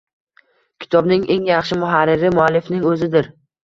Kitobning eng yaxshi muharriri muallifning o‘zidir.